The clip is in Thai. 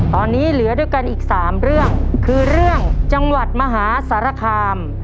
ตอนนี้เหลือด้วยกันอีก๓เรื่องคือเรื่องจังหวัดมหาสารคาม